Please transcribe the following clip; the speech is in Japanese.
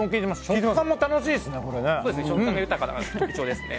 食感も楽しいですね。